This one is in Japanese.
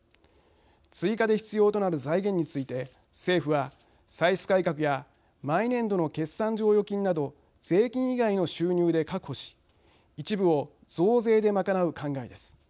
追加で必要となる財源について政府は歳出改革や毎年度の決算剰余金など税金以外の収入で確保し一部を増税で賄う考えです。